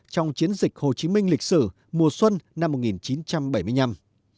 trong chiến dịch hồ chí minh lịch sử mùa xuân năm một nghìn chín trăm bảy mươi năm